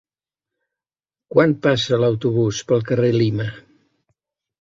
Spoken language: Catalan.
Quan passa l'autobús pel carrer Lima?